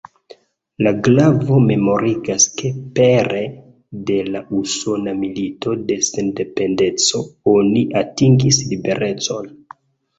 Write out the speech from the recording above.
La glavo memorigas ke pere de la Usona Milito de Sendependeco oni atingis liberecon.